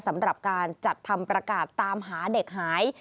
สำหรับการจัดทำประกาศตามหาเด็กหาย